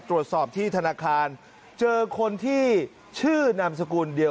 ตรวจสอบที่ธนาคารเจอคนที่ชื่อนามสกุลเดียว